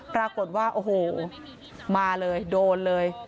ปรากฏว่าโอ้โหมาเลยโดนเลย